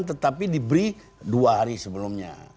tetapi diberi dua hari sebelumnya